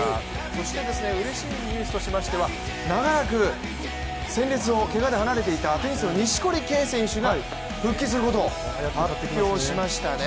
そして、うれしいニュースとしましては長らく戦列をけがで離れていたテニスの錦織圭選手が復帰することを発表しましたね。